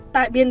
tại biên bản